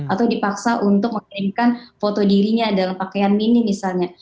atau dipaksa untuk mengirimkan foto dirinya dalam pakaian mini misalnya